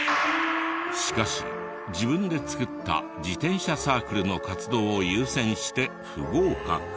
しかし自分で作った自転車サークルの活動を優先して不合格。